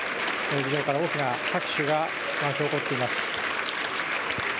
議場から大きな拍手が沸き起こっています。